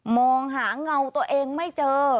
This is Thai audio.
มองหาเงาตัวเองไม่เจอ